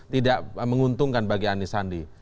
tidak menguntungkan bagi anies sandi